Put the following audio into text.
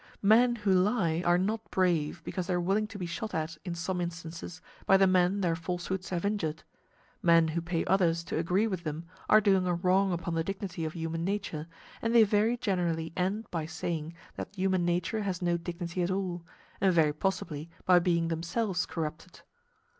Men who lie are not brave because they are willing to be shot at, in some instances, by the men their falsehoods have injured. Men who pay others to agree with them are doing a wrong upon the dignity of human nature, and they very generally end by saying that human nature has no dignity at all, and very possibly by being themselves corrupted.